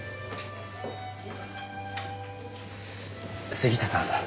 杉下さん